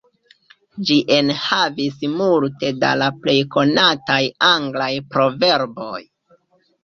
Ĝi enhavis multe da la plej konataj anglaj proverboj.